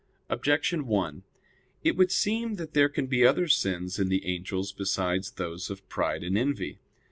Objection 1: It would seem that there can be other sins in the angels besides those of pride and envy.